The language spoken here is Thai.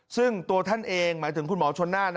ซึ่งตัวท่านเองหมายถึงคุณหมอชนน่าน